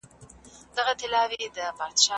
پرون او نن مي تر اته زره زياتي جملې!.